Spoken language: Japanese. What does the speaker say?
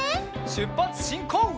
しゅっぱつしんこう！